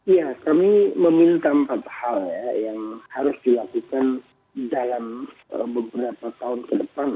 ya kami meminta empat hal ya yang harus dilakukan dalam beberapa tahun ke depan